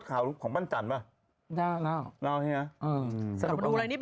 เมื่อไหร่ไปเล่าข่าวของบ้านจันทร์ปะ